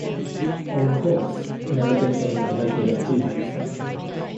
Encausse never became a regular Freemason.